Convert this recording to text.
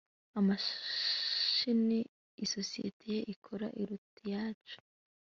Imashini isosiyete ye ikora iruta iyacu